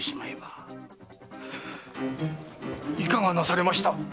いかがなされました？